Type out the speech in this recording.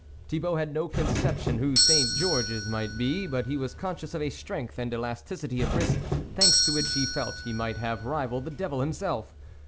Thibault had no conception who Saint Georges might be, but he was conscious of a strength and elasticity of wrist, thanks to which he felt he might have rivalled the devil himself.